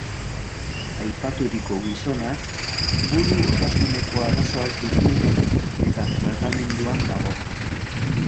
Aipaturiko gizonak buru osasuneko arazoak ditu eta tratamenduan dago.